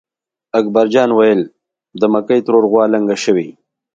اکبر جان وېل: د مکۍ ترور غوا لنګه شوې.